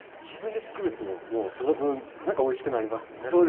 自分でつくるとその分何かおいしくなりますよね。